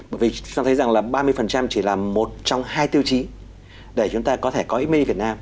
bởi vì chúng ta thấy rằng là ba mươi chỉ là một trong hai tiêu chí để chúng ta có thể có made in việt nam